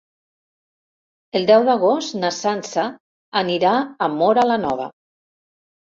El deu d'agost na Sança anirà a Móra la Nova.